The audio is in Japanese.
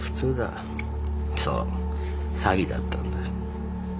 そう詐欺だったんだ。